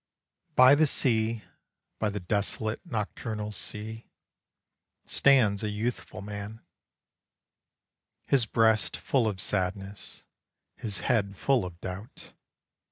By the sea, by the desolate nocturnal sea, Stands a youthful man, His breast full of sadness, his head full of doubt.